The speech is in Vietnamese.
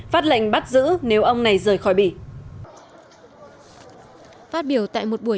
phát lệnh bắt giữ nếu ông này rời khỏi bỉ